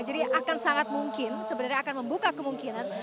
jadi akan sangat mungkin sebenarnya akan membuka kemungkinan